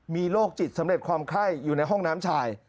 มีโรคจิตสำเร็จความไข้อยู่ในห้องน้ำชาย